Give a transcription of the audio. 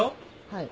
はい。